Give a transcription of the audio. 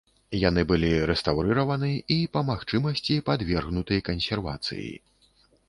Яны былі рэстаўрыраваны і, па магчымасці, падвергнуты кансервацыі.